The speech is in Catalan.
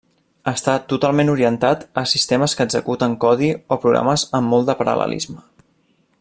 Està totalment orientat a sistemes que executen codi o programes amb molt de paral·lelisme.